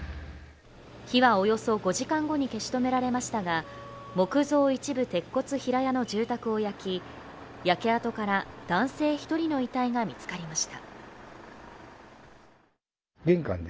火はおよそ５時間後に消し止められましたが、木造一部鉄骨平屋の住宅を焼き、焼け跡から男性１人の遺体が見つかりました。